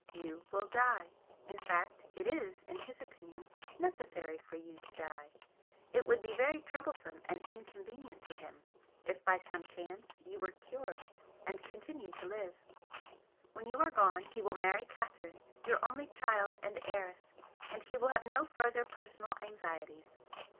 You will die, in fact, it is, in his opinion, necessary for you to die, it would be very troublesome and inconvenient to him if, by some chance, you were cured, and continued to live. When you are gone he will marry Catherine, your only child and heiress, and he will have no further personal anxieties.